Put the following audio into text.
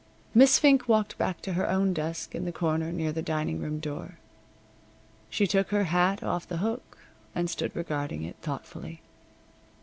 Miss Fink walked back to her own desk in the corner near the dining room door. She took her hat off the hook, and stood regarding it, thoughtfully.